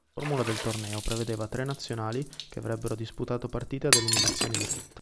La formula del torneo prevedeva tre nazionali che avrebbero disputato partite ad eliminazione diretta.